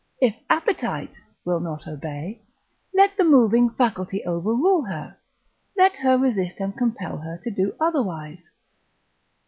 If appetite will not obey, let the moving faculty overrule her, let her resist and compel her to do otherwise.